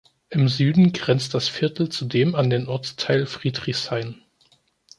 Im Süden grenzt das Viertel zudem an den Ortsteil Friedrichshain.